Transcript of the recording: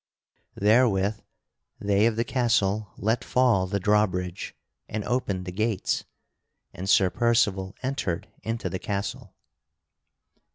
Therewith they of the castle let fall the drawbridge and opened the gates, and Sir Percival entered into the castle.